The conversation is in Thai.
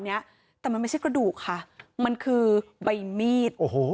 เนี้ยแต่มันไม่ใช่กระดูกค่ะมันคือใบมีดโอ้โห